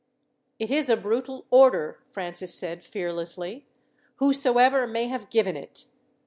"It is a brutal order," Francis said fearlessly, "whosoever may have given it!